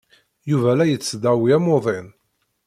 Yuba la yettdawi amuḍin.